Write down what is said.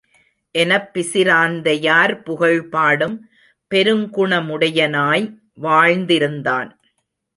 எனப் பிசிராந்தையார் புகழ் பாடும் பெருங்குணமுடையனாய் வாழ்ந்திருந்தான்.